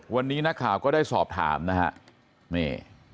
วันนี้นักข่าวก็ได้สอบถามนะฮะนี่